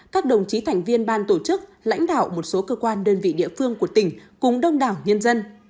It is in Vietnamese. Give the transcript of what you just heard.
các đồng chí thành viên ban tổ chức lãnh đạo một số cơ quan đơn vị địa phương của tỉnh cùng đông đảo nhân dân